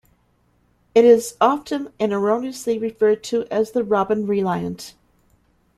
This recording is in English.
It is also often, and erroneously, referred to as the "Robin Reliant".